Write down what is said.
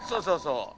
そうそう。